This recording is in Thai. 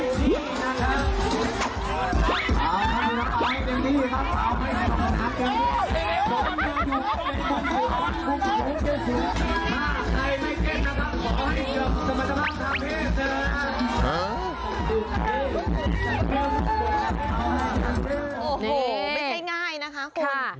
โอ้โหไม่ใช่ง่ายนะคะคุณ